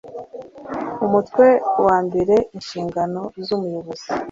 umutwe wa mbere inshingano zumuyobozi